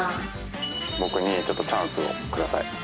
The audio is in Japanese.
僕にちょっとチャンスをください。